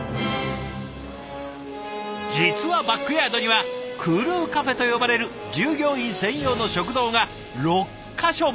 実はバックヤードには「クルーカフェ」と呼ばれる従業員専用の食堂が６か所も！